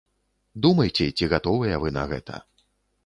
Думайце, ці гатовыя вы на гэта.